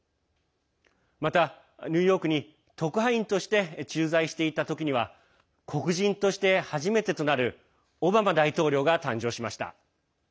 また、ニューヨークに特派員として駐在していた時には黒人として初めてとなるオバマ大統領が誕生しました。